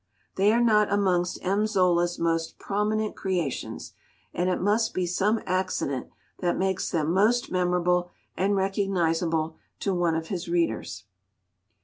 They are not amongst M. Zola's most prominent creations, and it must be some accident that makes them most memorable and recognisable to one of his readers.